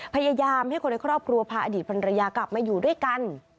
พยายามให้คนในครอบครัวพาอดีตภรรยากลับมาอยู่ด้วยกัน